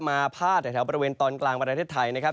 พาดแถวบริเวณตอนกลางประเทศไทยนะครับ